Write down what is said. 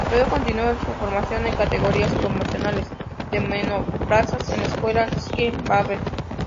Luego continuó su formación en categorías promocionales de monoplazas en la escuela Skip Barber.